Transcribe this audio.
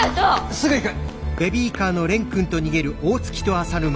すぐ行く！